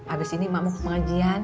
abis ini mak mau ke pengajian